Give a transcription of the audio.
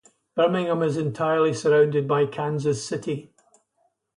Birmingham is entirely surrounded by Kansas City.